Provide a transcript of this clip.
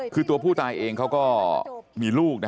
คือตัวผู้ตายเองเขาก็มีลูกนะ